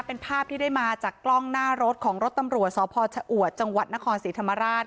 เป็นภาพที่ได้มาจากกล้องหน้ารถของรถตำรวจสพชะอวดจังหวัดนครศรีธรรมราช